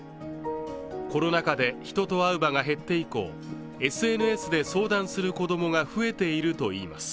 コロナ禍で人と会う場が減って以降ＳＮＳで相談する子供が増えているといいます。